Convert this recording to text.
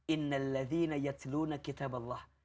innal lazeena yathluna kitab allah